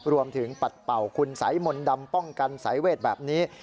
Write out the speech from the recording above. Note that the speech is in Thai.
ปัดเป่าคุณสัยมนต์ดำป้องกันสายเวทแบบนี้